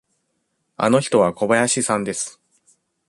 あの人は小林さんです。